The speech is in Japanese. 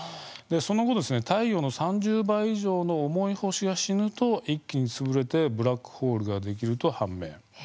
その後、太陽の３０倍以上の重い星が死ぬと、一気に潰れてブラックホールができると判明。